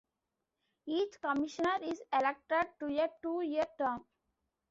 Each Commissioner is elected to a two-year term.